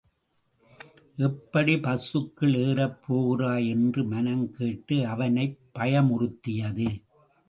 எப்படி பஸ்ஸுக்குள் ஏறப் போகிறாய் என்று மனம் கேட்டு அவனை பயமுறுத்தியது.